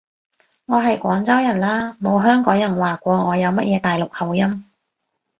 我係廣州人啦，冇香港人話過我有乜嘢大陸口音